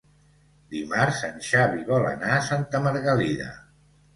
Dimarts en Xavi vol anar a Santa Margalida.